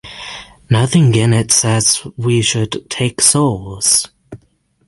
Nothing in it says we should take souls.